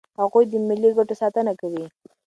هغوی د ملي ګټو ساتنه کوي.